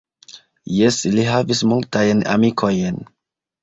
Jes, li havis multajn amikojn.